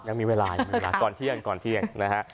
ยังมีเวลายังมีเวลาก่อนเที่ยงก่อนเที่ยงนะฮะ